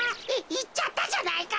いっちゃったじゃないか！